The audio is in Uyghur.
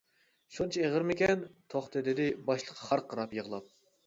-شۇنچە ئېغىرمىكەن. توختى. ، -دېدى باشلىق خارقىراپ يىغلاپ.